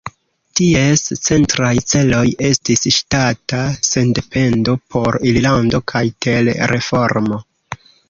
Ties centraj celoj estis ŝtata sendependo por Irlando kaj ter-reformo.